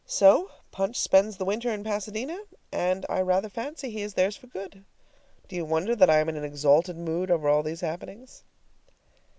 So Punch spends the winter in Pasadena and I rather fancy he is theirs for good. Do you wonder that I am in an exalted mood over all these happenings?